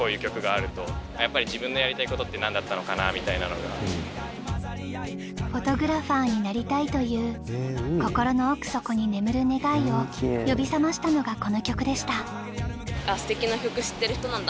夢だったフォトグラファーの道へ進むことに。という心の奥底に眠る願いを呼び覚ましたのがこの曲でした。